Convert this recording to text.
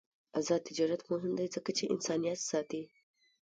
آزاد تجارت مهم دی ځکه چې انسانیت ساتي.